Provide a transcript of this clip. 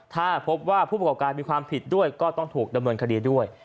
ถ้าพบว่าผู้ประกอบการมีความผิดด้วยก็ต้องถูกดำเนินคดีด้วย